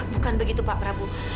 bukan begitu pak prabu